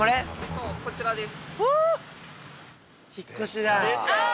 そうこちらです。